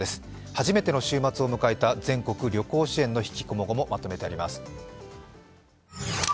初めての週末を迎えた全国旅行支援の悲喜こもごも、まとめてあります。